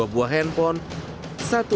dua buah handphone